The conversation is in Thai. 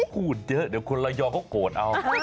พูดเยอะเดี๋ยวคนระยองเขาโกรธเอา